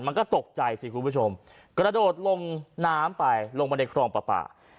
มันก็ตกใจสิคุณผู้ชมกระโดดลงน้ำไปลงไปในคลองปลาปลา